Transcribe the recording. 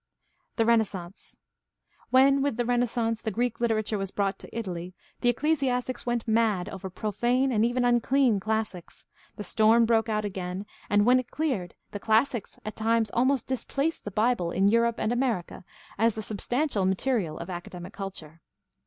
The Renaissance. — When with the Renaissance the Greek literature was brought to Italy, the ecclesiastics went mad over profane and even unclean classics, the storm broke out again, and when it cleared the classics at times almost dis placed the Bible in Europe and America as the substantial material of academic culture.